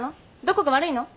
どこか悪いの？